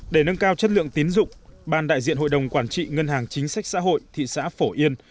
để nâng cao chất lượng tín dụng ban đại diện hội đồng quản trị ngân hàng chính sách xã hội thị xã phổ yên